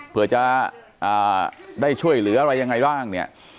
เพื่อจะได้ช่วยเหลืออะไรยังไงบ้างเนี่ย